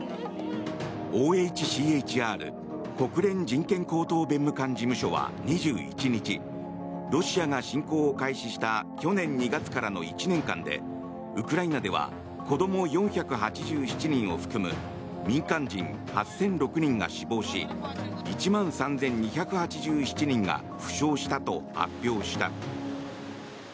ＯＨＣＨＲ・国連人権高等弁務官事務所は２１日、ロシアが侵攻を開始した去年２月からの１年間でウクライナでは子ども４８７人を含む民間人８００６人が死亡し１万３２８７人が負傷したと発表した。